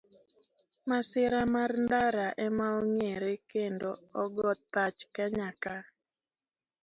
Masira mar ndara ema ong'ere kendo ogo thach Kenya ka.